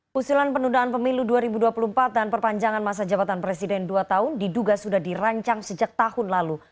pusulan penundaan pemilu dua ribu dua puluh empat dan perpanjangan masa jabatan presiden dua tahun diduga sudah dirancang sejak tahun lalu